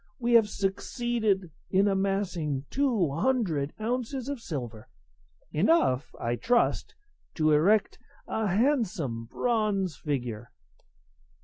we have succeeded in amassing two hundred ounces of silver enough, I trust, to erect a handsome bronze figure."